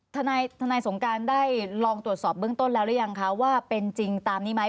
ทนายสงการได้ลองตรวจสอบเบื้องต้นแล้วหรือยังคะว่าเป็นจริงตามนี้ไหม